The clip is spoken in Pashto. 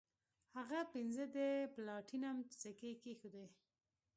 هغه پنځه د پلاټینم سکې کیښودې.